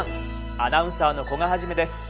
アナウンサーの古賀一です。